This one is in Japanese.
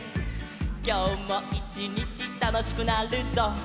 「きょうもいちにちたのしくなるぞ」